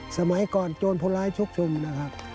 สมัยก่อนโจรผู้ร้ายชุกชุมนะครับ